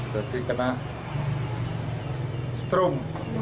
jadi kena strom